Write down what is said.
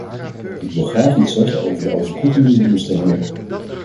Ik wil graag iets zeggen over de overkoepelende doelstellingen.